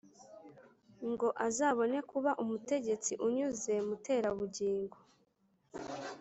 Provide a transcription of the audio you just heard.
Ngo azabone kuba umutegetsi unyuze Muterabugingo.